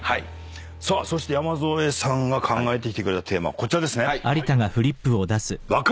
さあそして山添さんが考えてきてくれたテーマこちらですね。